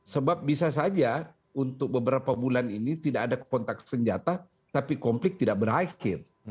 sebab bisa saja untuk beberapa bulan ini tidak ada kontak senjata tapi konflik tidak berakhir